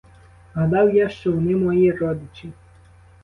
Гадав я, що вони мої родичі.